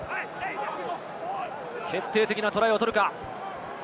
決定的なトライを取るか？